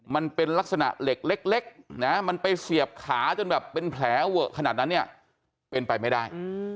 มันเป็นลักษณะเหล็กเล็กนะมันไปเสียบขาจนแบบเป็นแผลเวอะขนาดนั้นเนี่ยเป็นไปไม่ได้